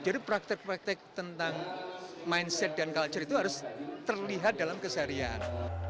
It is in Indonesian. jadi praktek praktek tentang mindset dan culture itu harus terlihat dalam kesaharian